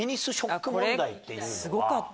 すごかった。